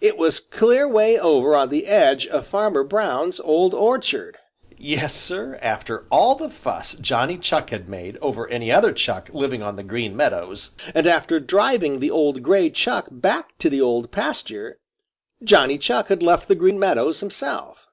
It was clear way over on the edge of Farmer Brown's old orchard! Yes, Sir, after all the fuss Johnny Chuck had made over any other Chuck living on the Green Meadows, and after driving the old gray Chuck back to the Old Pasture, Johnny Chuck had left the Green Meadows himself!